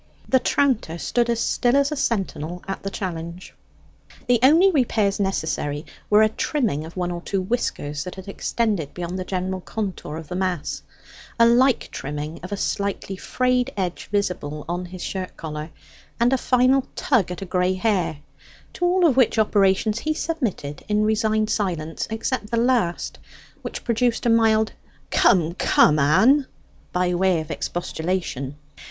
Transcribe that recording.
The tranter stood as still as a sentinel at the challenge. The only repairs necessary were a trimming of one or two whiskers that had extended beyond the general contour of the mass; a like trimming of a slightly frayed edge visible on his shirt collar; and a final tug at a grey hair to all of which operations he submitted in resigned silence, except the last, which produced a mild "Come, come, Ann," by way of expostulation.